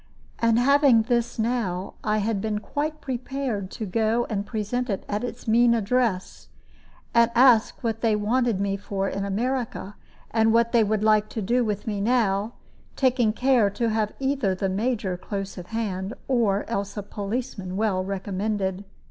And having this now, I had been quite prepared to go and present it at its mean address, and ask what they wanted me for in America, and what they would like to do with me now, taking care to have either the Major close at hand, or else a policeman well recommended.